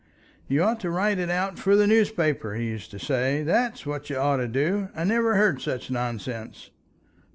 "You ought to write it out for the newspapers," he used to say. "That's what you ought to do. I never heard such nonsense."